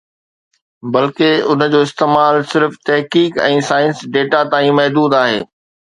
بلڪه، ان جو استعمال صرف تحقيق ۽ سائنسي ڊيٽا تائين محدود هو